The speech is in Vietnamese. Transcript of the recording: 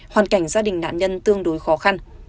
hoàn cảnh gia đình nạn nhân tương đối khó khăn